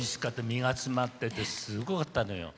身が詰まっててすごかったのよ。